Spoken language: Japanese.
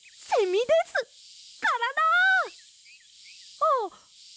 あっ！